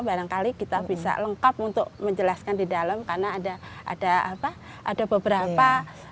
barangkali kita bisa lengkap untuk menjelaskan di dalam karena ada beberapa